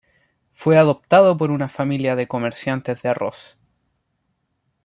Fue adoptado por una familia de comerciantes de arroz.